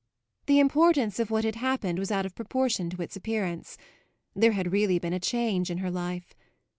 The importance of what had happened was out of proportion to its appearance; there had really been a change in her life.